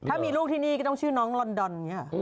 ถ้ามีลูกที่นี่ก็ต้องชื่อน้องลอนดอน